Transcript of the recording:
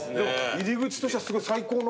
入り口としては最高の。